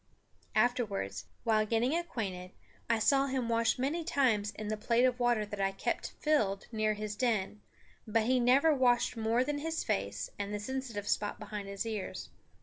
Afterwards, while getting acquainted, I saw him wash many times in the plate of water that I kept filled near his den; but he never washed more than his face and the sensitive spot behind his ears.